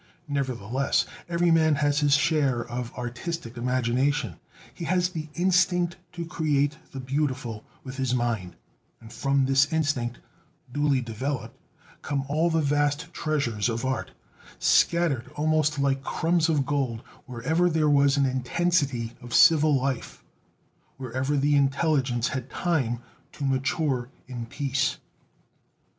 Nevertheless, every man has his share of artistic imagination, he has the instinct to create the beautiful with his mind; and from this instinct duly developed come all the vast treasures of art, scattered almost like crumbs of gold wherever there was an intensity of civil life, wherever the intelligence had time to mature in peace.